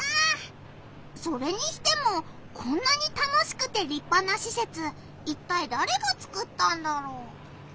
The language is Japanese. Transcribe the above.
それにしてもこんなに楽しくてりっぱなしせついったいだれがつくったんだろう？